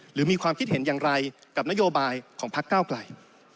หรือมีความคิดเห็นอย่างไรกับนโยบายของพักเก้าไกล